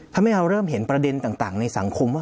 ทำให้เราเริ่มเห็นประเด็นต่างในสังคมว่า